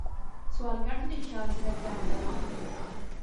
سوالګر ته د چا زړه درد دوا ده